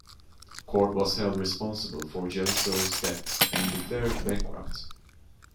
Cort was held responsible for Jellicoe's debt and declared bankrupt.